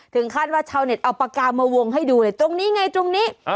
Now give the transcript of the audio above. คาดว่าชาวเน็ตเอาปากกามาวงให้ดูเลยตรงนี้ไงตรงนี้